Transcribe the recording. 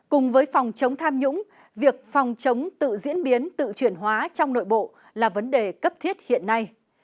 cùng với phòng chống tham nhũng việc phòng chống tự diễn biến tự chuyển hóa trong nội bộ là vấn đề cấp thiết hiện nay